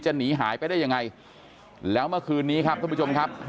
หนีหายไปได้ยังไงแล้วเมื่อคืนนี้ครับท่านผู้ชมครับ